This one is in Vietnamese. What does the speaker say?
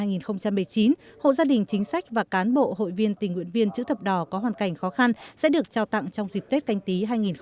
hộ gia đình chính sách và cán bộ hội viên tình nguyện viên chữ thập đỏ có hoàn cảnh khó khăn sẽ được trao tặng trong dịp tết canh tí hai nghìn hai mươi